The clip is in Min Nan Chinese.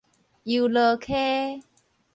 油羅溪